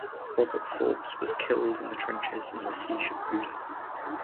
Robert Forbes was killed in the trenches in the Siege of Buda.